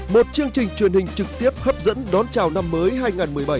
một chương trình truyền hình trực tiếp hấp dẫn đón chào năm mới hai nghìn một mươi bảy